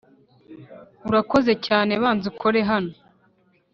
urakora cyane banza ukore hano